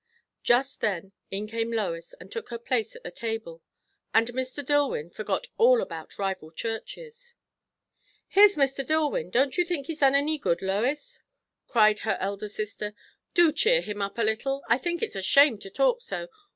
Just then in came Lois and took her place at the table; and Mr. Dillwyn forgot all about rival churches. "Here's Mr. Dillwyn don't think he's done any good, Lois!" cried her elder sister. "Do cheer him up a little. I think it's a shame to talk so.